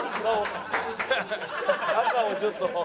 赤をちょっと。